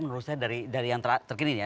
menurut saya dari yang terkini ya